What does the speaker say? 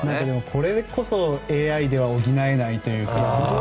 これこそＡＩでは補えないというか。